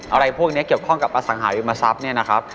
อะไรพวกนี้เกี่ยวข้องกับอสังหาริมทรัพย์เนี่ยนะครับ